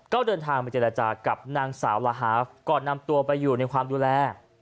ก็เดินทางไปเจรจากับนางสาวลาฮาฟก่อนนำตัวไปอยู่ในความดูแล